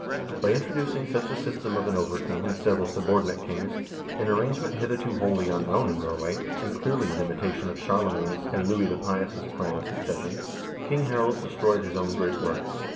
By introducing such a system of an over king and several subordinate kings, an arrangement hitherto wholly unknown in Norway, and clearly an imitation of Charle magne's and Louis the Pious' plan of succession, King Harald destroyed his own great work.